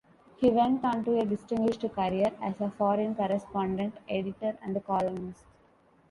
He went on to a distinguished career as a foreign correspondent, editor and columnist.